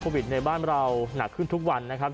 ในบ้านเราหนักขึ้นทุกวันนะครับ